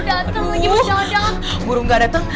aduh burung gak dateng